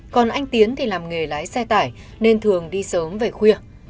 còn anh tiến thì làm nghề lái xe tải nên thường đi sớm về khuya